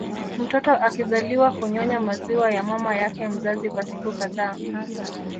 Mtoto akizaliwa hunyonya maziwa ya mama yake mzazi kwa siku kadhaa